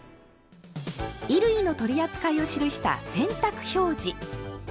衣類の取り扱いを記した「洗濯表示」。